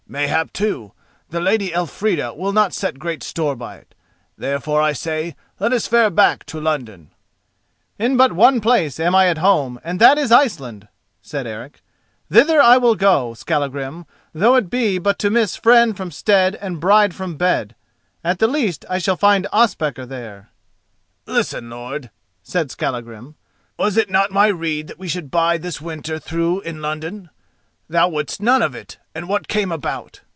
Mayhap, too, the Lady Elfrida will not set great store by it. Therefore, I say, let us fare back to London." "In but one place am I at home, and that is Iceland," said Eric. "Thither I will go, Skallagrim, though it be but to miss friend from stead and bride from bed. At the least I shall find Ospakar there." "Listen, lord!" said Skallagrim. "Was it not my rede that we should bide this winter through in London? Thou wouldst none of it, and what came about?